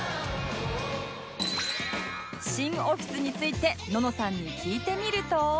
新オフィスについてののさんに聞いてみると